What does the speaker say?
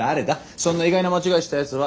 そんな意外な間違いしたヤツは。